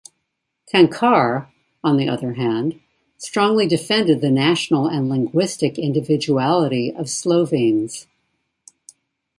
Cankar, on the other hand, strongly defended the national and linguistic individuality of Slovenes.